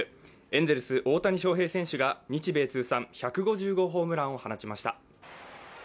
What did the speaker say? エンゼルス・大谷翔平選手が日米通算１５０号ホームランを放ちました。